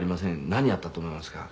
何やったと思いますか？」